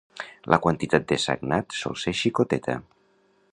La quantitat de sagnat sol ser xicoteta.